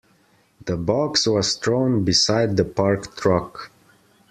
The box was thrown beside the parked truck.